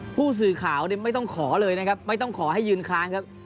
ผู้สื่อข่าวไม่ต้องขอเลยนะครับไม่ต้องขอให้ยืนค้างครับ